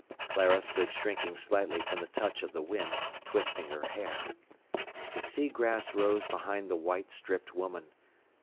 Clara stood shrinking slightly from the touch of the wind, twisting her hair. The sea grass rose behind the white stripped woman.